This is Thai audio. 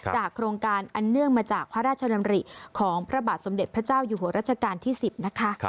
โครงการอันเนื่องมาจากพระราชดำริของพระบาทสมเด็จพระเจ้าอยู่หัวรัชกาลที่๑๐นะคะ